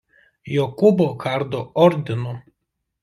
Jokūbo kardo ordinu.